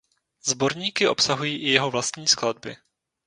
Sborníky obsahují i jeho vlastní skladby.